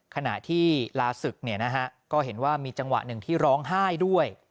ขณะที่ลาศึกก็เห็นว่ามีจังหวะหนึ่งที่ร้องไห้ด้วย